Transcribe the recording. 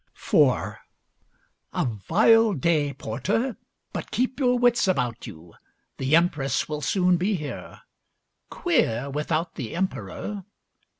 IV A vile day, Porter. But keep your wits about you. The Empress will soon be here. Queer, without the Emperor!